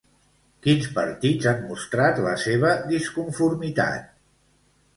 Quins partits han mostrat la seva disconformitat?